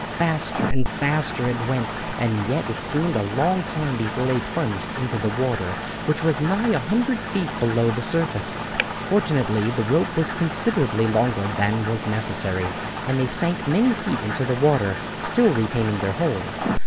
Faster and faster it went and yet it seemed a long time before they plunged into the water, which was nigh a hundred feet below the surface. Fortunately the rope was considerably longer than was necessary, and they sank many feet into the water, still retaining their hold.